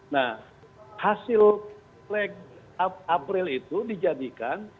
nah hasil plek april itu dijadikan